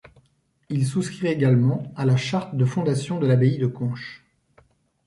Il souscrit également à la charte de fondation de l'abbaye de Conches.